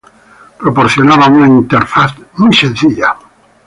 Proporcionaba una interfaz simple.